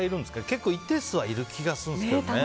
結構、一定数はいる気がするんですけどね。